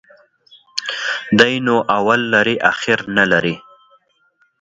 دى نو اول لري ، اخير نلري.